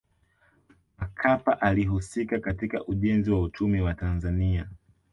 makapa alihusika katika ujenzi wa uchumi wa tanzania